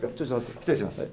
失礼します。